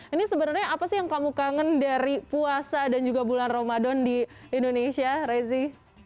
ini sebenarnya apa sih yang kamu kangen dari puasa dan juga bulan ramadan di indonesia rezi